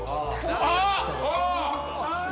あっ。